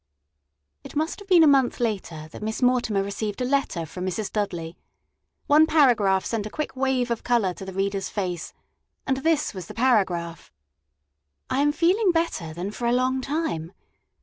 It must have been a month later that Miss Mortimer received a letter from Mrs. Dudley. One paragraph sent a quick wave of color to the reader's face; and this was the paragraph: I am feeling better than for a long time.